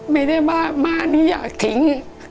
ไม่ได้บ้านมานี่อยากทิ้ง